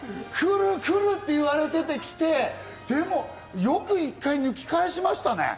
来る来るって言われてて来て、でもよく１回抜き返しましたね。